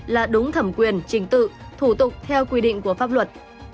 là đúng thẩm quyền trình tự thủ tục theo quy định của pháp luật